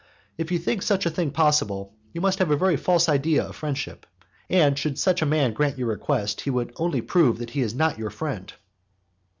If you think such a thing possible, you must have a very false idea of friendship, and should such a man grant your request, he would only prove that he is not your friend."